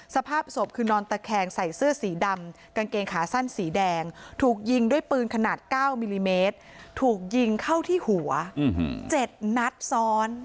สภาพศพคือนอนตะแคงใส่เสื้อสีดำกางเกงขาสั้นสีแดงถูกยิงด้วยปืนขนาด๙มิลลิเมตรถูกยิงเข้าที่หัว๗นัดซ้อน